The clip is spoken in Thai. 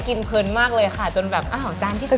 กินเพลินมากเลยค่ะจนแบบอะของจานที่๗นึง